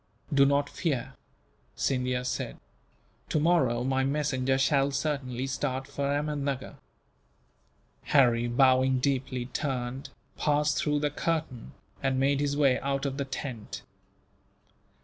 "Do not fear," Scindia said, "tomorrow my messenger shall certainly start for Ahmednuggur." Harry, bowing deeply, turned, passed through the curtain, and made his way out of the tent.